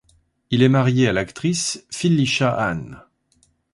Il est marié à l'actrice Phyllisha Anne.